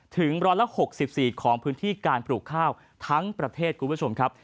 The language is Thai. ถึง๑๖๔ของพื้นที่การปลูกข้าวทั้งประเทศคุณผู้ชมครับ